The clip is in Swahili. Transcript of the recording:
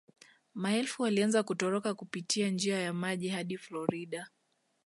Maelfu walianza kutoroka kupitia njia ya maji hadi Florida